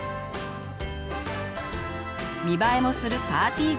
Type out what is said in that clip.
見栄えもするパーティーごはん